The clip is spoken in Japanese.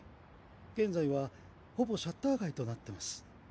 現在はほぼシャッター街となってます。